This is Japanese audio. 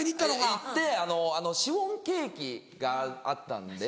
行ってシフォンケーキがあったんで。